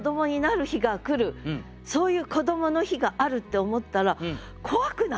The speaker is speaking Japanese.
そういうこどもの日があるって思ったら怖くない？